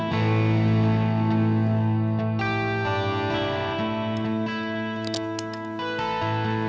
gak ada yang mau nanya